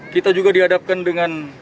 kita juga dihadapkan dengan